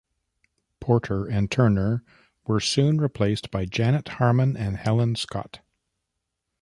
Porter and Turner were soon replaced by Janet Harmon and Helen Scott.